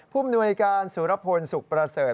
ผู้มนุยการสุรพลศุกร์ประเสริฐ